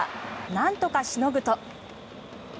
なんとかしのぐと。